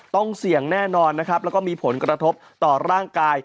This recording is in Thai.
ต้องเสี่ยงแน่นอนนะครับแล้วก็มีผลกระทบต่อร่างกาย